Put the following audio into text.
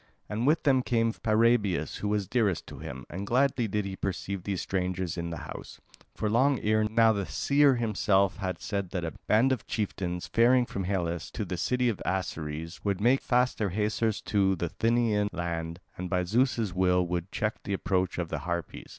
And with them came Paraebius, who was dearest to him, and gladly did he perceive these strangers in the house. For long ere now the seer himself had said that a band of chieftains, faring from Hellas to the city of Aceres, would make fast their hawsers to the Thynian land, and by Zeus' will would check the approach of the Harpies.